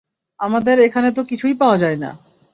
আমাদের এখানে তো কিছুই পাওয়া যায় না!